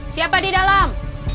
siapa di dalam